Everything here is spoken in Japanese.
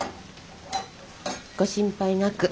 ご心配なく。